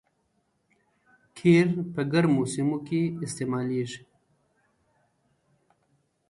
قیر په ګرمو سیمو کې استعمالیږي